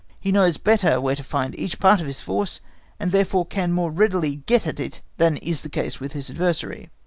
He knows better where to find each part of his force, and therefore can more readily get at it than is the case with his adversary.